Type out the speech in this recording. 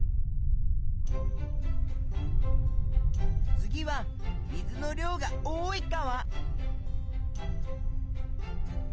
次は水の量が多い川。